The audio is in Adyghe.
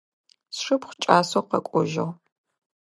Сшыпхъу кӏасэу къэкӏожьыгъ.